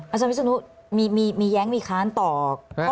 อาจารย์วิศนุมีแย้งมีค้านต่อข้อการคลาย